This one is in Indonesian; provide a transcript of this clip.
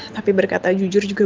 tapi berkata jujur juga